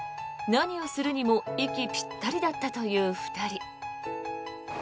何をするにも息ぴったりだったという２人。